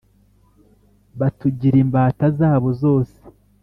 batugira imbata zabo zose